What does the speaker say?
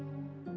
aku mau makan